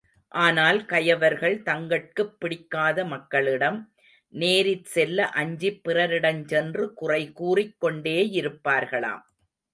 ஆனால் கயவர்கள் தங்கட்குப் பிடிக்காத மக்களிடம் நேரிற்செல்ல அஞ்சிப் பிறரிடஞ் சென்று குறைகூறிக் கொண்டேயிருப்பார்களாம்.